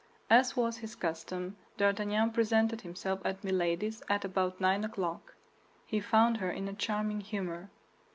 As was his custom, D'Artagnan presented himself at Milady's at about nine o'clock. He found her in a charming humor.